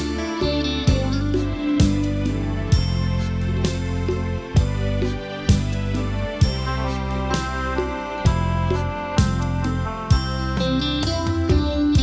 มีสมาธินะครับ